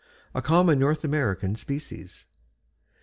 A common North American species.